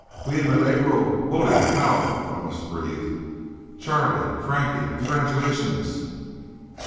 "Que milagro! holy cow!" Ramos breathed. "Charlie Frankie congratulations!"